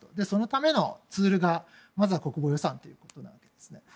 そのためのツールが、まずは国防予算ということなんですね。